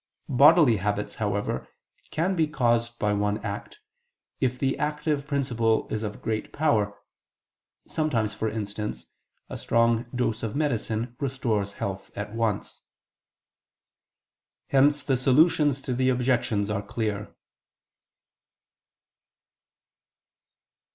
Bodily habits, however, can be caused by one act, if the active principle is of great power: sometimes, for instance, a strong dose of medicine restores health at once. Hence the solutions to the objections are clear.